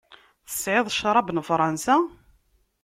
Tesεiḍ ccrab n Fransa?